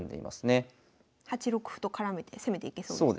８六歩と絡めて攻めていけそうですね。